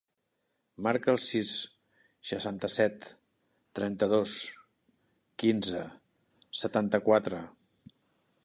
Marca el sis, seixanta-set, trenta-dos, quinze, setanta-quatre.